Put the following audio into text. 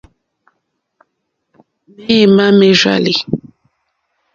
Méémà mèrzàlì.